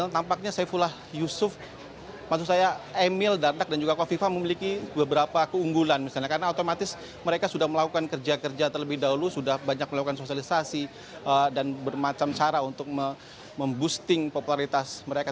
tapi kalau kita lihat karena mereka sudah melakukan kerja kerja terlebih dahulu sudah banyak melakukan sosialisasi dan bermacam cara untuk memboosting popularitas mereka